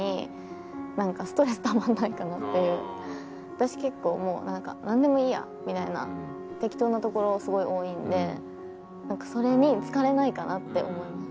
私結構もうなんかなんでもいいやみたいな適当なところすごい多いんでなんかそれに疲れないかな？って思います。